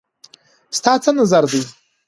ستا څه نظر دی